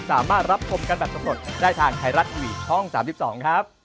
สวัสดีครับ